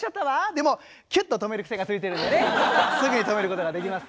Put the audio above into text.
でもキュッと止めるくせがついてるのですぐに止めることができます。